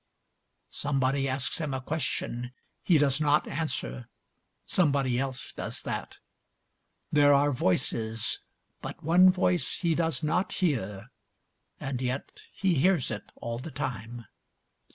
Somebody asks him a question, he does not answer, somebody else does that. There are voices, but one voice he does not hear, and yet he hears it all the time.